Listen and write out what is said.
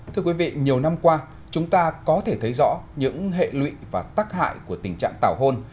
thưa quý vị nhiều năm qua chúng ta có thể thấy rõ những hệ lụy và tắc hại của tình trạng tảo hôn